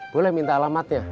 boleh minta alamatnya